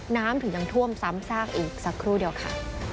น้ำถึงยังท่วมซ้ำซากอีกสักครู่เดียวค่ะ